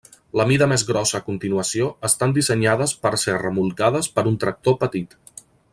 La mida més grossa a continuació estan dissenyades per ser remolcades per un tractor petit.